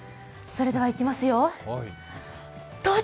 それではいきますよ。